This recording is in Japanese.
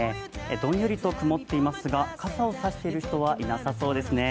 どんよりと曇っていますが、傘を差している人はいなさそうですね。